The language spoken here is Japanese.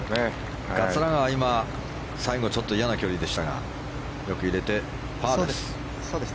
桂川、最後、ちょっと嫌な距離でしたがよく入れてパーです。